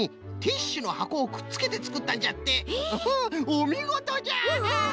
おみごとじゃ。